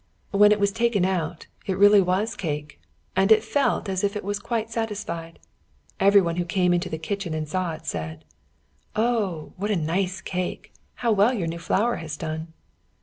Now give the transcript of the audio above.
When it was taken out, it really was cake, and it felt as if it was quite satisfied. Everyone who came into the kitchen and saw it, said "Oh, what a nice cake! How well your new flour has done!"